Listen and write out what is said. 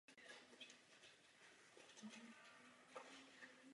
Pod kaplí dal zřídit rodinnou hrobku.